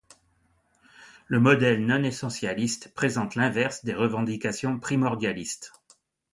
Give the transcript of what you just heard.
Le modèle non essentialiste présente l'inverse des revendications primordialistes.